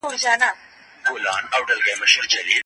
یوازې یوه ژېړوکې پاڼه پر څانګه پاتې وه.